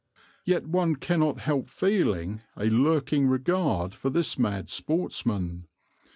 Yet one cannot help feeling a lurking regard for this mad sportsman.